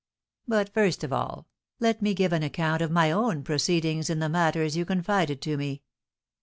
But, first of all, let me give an account of my own proceedings in the matters you confided to me.